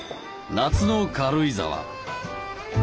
夏の軽井沢。